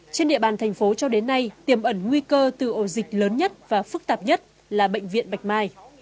trên địa bàn thành phố cho đến nay tiềm ẩn nguy cơ từ ổ dịch lớn nhất và phức tạp nhất là bệnh viện bạch mai